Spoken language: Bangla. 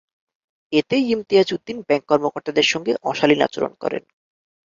এতেই ইমতিয়াজ উদ্দিন ব্যাংক কর্মকর্তাদের সঙ্গে অশালীন আচরণ করেন।